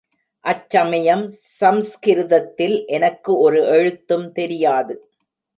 அச் சமயம் சம்ஸ்கிருதத்தில் எனக்கு ஒரு எழுத்தும் தெரியாது.